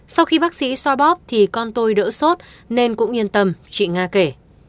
sau khi bác sĩ xoa bóp thì con tôi đỡ sốt nên cũng yên tâm chị nga kể